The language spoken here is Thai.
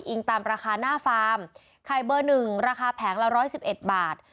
อิงตามราคาหน้าฟาร์มไข่เบอร์หนึ่งราคาแผงละร้อยสิบเอ็ดบาท